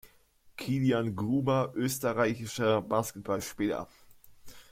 Kilian Gruber Österreichischer basketball Spieler